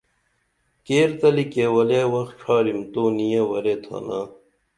کیرتلی کیولے وخ ڇھارِم تو نیہ ورے تھانا